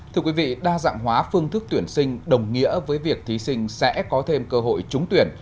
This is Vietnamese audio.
thưa quý vị đa dạng hóa phương thức tuyển sinh đồng nghĩa với việc thí sinh sẽ có thêm cơ hội trúng tuyển